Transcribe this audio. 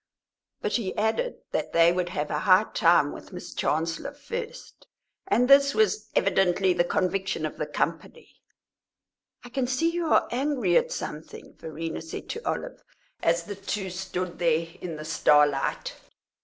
But he added that they would have a high time with Miss Chancellor first, and this was evidently the conviction of the company. "I can see you are angry at something," Verena said to Olive, as the two stood there in the starlight.